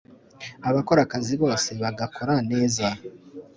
Abakora akazi bose bagakora neza.